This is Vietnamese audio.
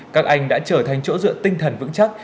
các anh đã trở thành chỗ dựa tinh thần vững chắc